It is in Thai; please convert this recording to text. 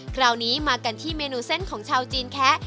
คราวนี้มากันที่เมนูเส้นของชาวจีนแคะ